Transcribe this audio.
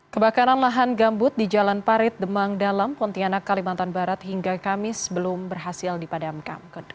kebakaran lahan gambut di jalan parit demang dalam pontianak kalimantan barat hingga kamis belum berhasil dipadamkan